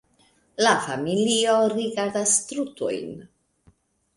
La familio rigardas strutojn: